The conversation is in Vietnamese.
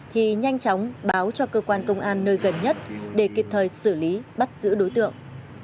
thì nhanh chóng báo cho cơ quan công an nơi gần nhất để kịp thời xử lý bắt giữ đối tượng